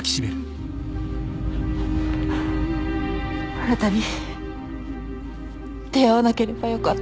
あなたに出会わなければよかった。